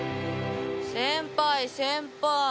先輩先輩。